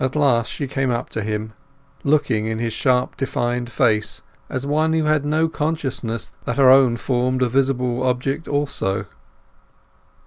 At last she came up to him, looking in his sharply defined face as one who had no consciousness that her own formed a visible object also.